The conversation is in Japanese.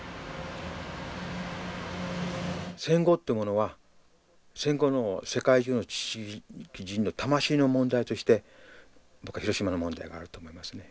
戦後ってものは戦後の世界中の知識人の魂の問題として僕は広島の問題があると思いますね。